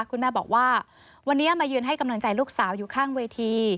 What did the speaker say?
คุณแม่บอกว่าวันนี้มายืนให้กำลังใจลูกสาวอยู่ข้างเวที